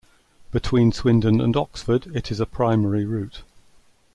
Between Swindon and Oxford it is a primary route.